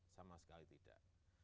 sama sekali tidak